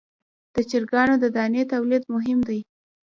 د چرګانو د دانې تولید مهم دی